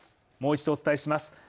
もう一度お伝えします。